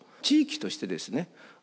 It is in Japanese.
地域としてですね